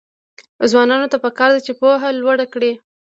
ځوانانو ته پکار ده چې، پوهه لوړه کړي.